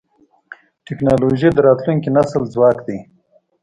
ټکنالوجي د راتلونکي نسل ځواک دی.